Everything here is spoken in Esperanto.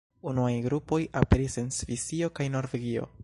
Unuaj grupoj aperis en Svisio kaj Norvegio.